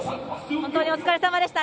本当にお疲れ様でした。